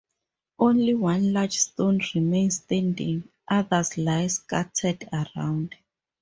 Only one large stone remains standing, others lie scattered around.